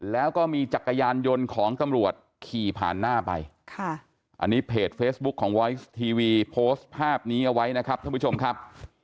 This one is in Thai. แล้วก็มีจักรยานยนต์ของตำรวจขี่ผ่านหน้าไปค่ะอันนี้เพจเฟซบุ๊คของวอยซ์ทีวีโพสต์ภาพนี้เอาไว้นะครับท่านผู้ชมครับ